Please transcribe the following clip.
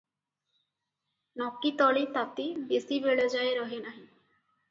ନକିତଳି ତାତି ବେଶି ବେଳ ଯାଏ ରହେ ନାହିଁ ।